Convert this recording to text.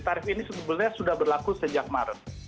tarif ini sebetulnya sudah berlaku sejak maret